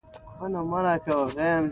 طلا د افغانستان د صادراتو برخه ده.